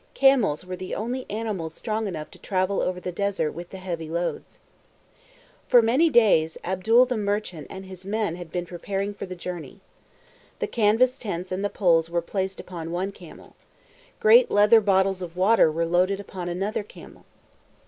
Camels were the only animals strong enough to travel over the desert with the heavy loads. For many days, Abdul the merchant and his men had been preparing for the journey. The canvas tents and the poles were placed upon one camel. Great leather bottles of water were loaded upon another camel.